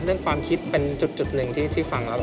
เรื่องความคิดเป็นจุดหนึ่งที่ฟังแล้ว